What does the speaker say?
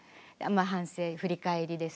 反省振り返りですよね。